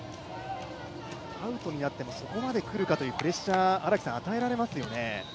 アウトになってもそこまで来るかというプレッシャーを与えられますよね。